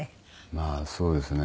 まあそうですね。